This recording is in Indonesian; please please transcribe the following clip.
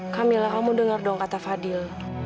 kamila kamu denger dong kata fadil